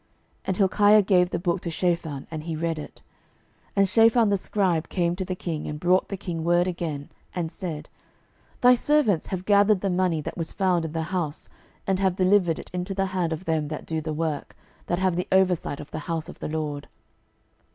And Hilkiah gave the book to Shaphan, and he read it. 12:022:009 And Shaphan the scribe came to the king, and brought the king word again, and said, Thy servants have gathered the money that was found in the house, and have delivered it into the hand of them that do the work, that have the oversight of the house of the LORD.